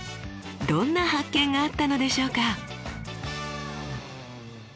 どんな発見があったのでしょうか。